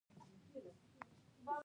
د اسلامي هجري تاریخ د جوړیدو واقعه.